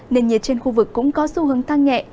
nền nhiệt trên khu vực cũng có xu hướng tăng nhẹ